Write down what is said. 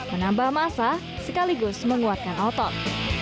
menambah masa sekaligus menguatkan otot